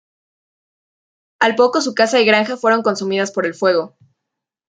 Al poco su casa y granja fueron consumidas por el fuego.